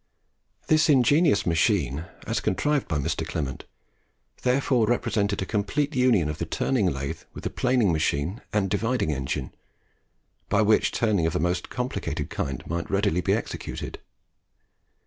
This ingenious machine, as contrived by Mr. Clement, therefore represented a complete union of the turning lathe with the planing machine and dividing engine, by which turning of the most complicated kind might readily be executed.